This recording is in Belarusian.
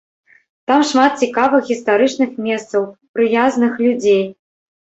Там шмат цікавых гістарычных месцаў, прыязных людзей.